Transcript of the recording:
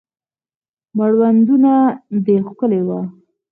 مړوندونه دې ښکلي وه